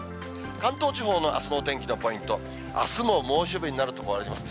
関東地方のあすのお天気のポイント、あすも猛暑日になると思われます。